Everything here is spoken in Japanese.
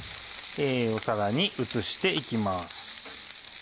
皿に移して行きます。